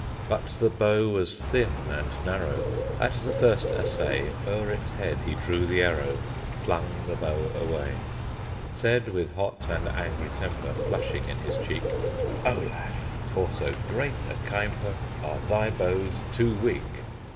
But the bow was thin and narrow; At the first assay, O'er its head he drew the arrow, Flung the bow away; Said, with hot and angry temper Flushing in his cheek, "Olaf! for so great a K‰mper Are thy bows too weak!"